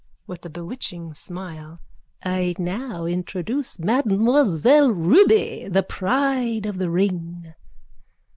(With a bewitching smile.) I now introduce Mademoiselle Ruby, the pride of the ring.